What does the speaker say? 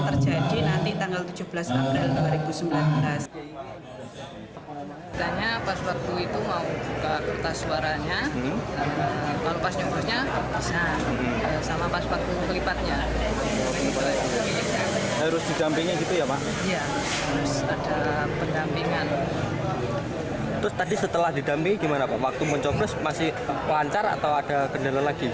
terus tadi setelah didamping gimana pak waktu mencoblos masih lancar atau ada kendala lagi